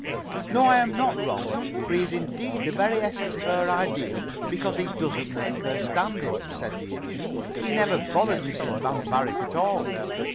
"No, I am not wrong, for he is indeed the very essence of her ideal because he doesn't make her stand him," said the Idiot. "He never bothers Mrs. Van Varick at all.